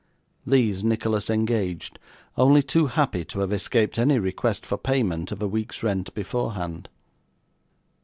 These Nicholas engaged, only too happy to have escaped any request for payment of a week's rent beforehand.